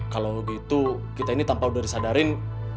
kalau begitu kita ini tanpa udah disadarin